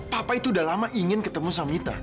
papa itu udah lama ingin ketemu sama mita